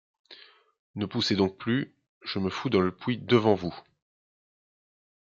Ne poussez donc plus, je me fous dans le puits devant vous !